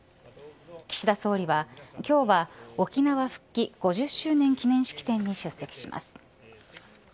岸田総理は今日は沖縄復帰５０周年記念式典に出席します。